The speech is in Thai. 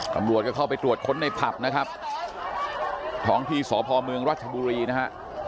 กรรมโลกจะเข้าไปตรวจคนในพับนะครับทองที่สอพอมืองรถบุรีนะฮะ